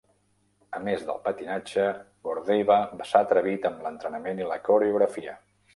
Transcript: A més del patinatge, Gordeeva s'ha atrevit amb l'entrenament i la coreografia.